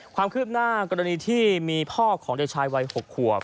ความคืบหน้ากรณีที่มีพ่อของเด็กชายวัย๖ขวบ